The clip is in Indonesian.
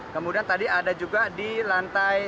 kemudian tadi ada juga di lantai tiga